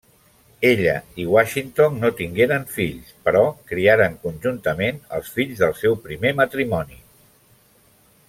Ella i Washington no tingueren fills, però criaren conjuntament els fills del seu primer matrimoni.